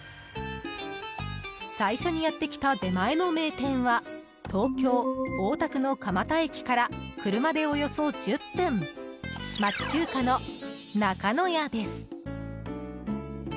最初にやってきた出前の名店は東京・太田区の蒲田駅から車でおよそ１０分町中華の、なかのやです。